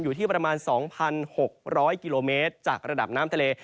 อยู่ที่ประมาณ๒๖๐๐กิโลเมตรจากระดับน้ำทะเล